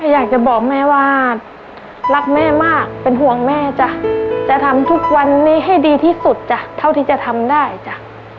อยากจะบอกแม่ว่ารักแม่มากเป็นห่วงแม่จ้ะจะทำทุกวันนี้ให้ดีที่สุดจ้ะเท่าที่จะทำได้จ้ะ